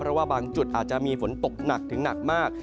เพราะว่าบางจุดอาจจะมีฝนตกหนักถึงหนักมาก